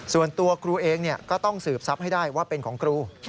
ส่วนตัวครูเองก็ต้องสืบทรัพย์ให้ได้ว่าเป็นของครู